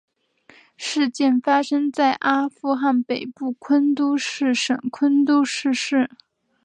事件发生在阿富汗北部昆都士省昆都士市。